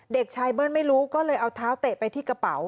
เด็กชายเบิ้ลไม่รู้ก็เลยเอาเท้าเตะไปที่กระเป๋า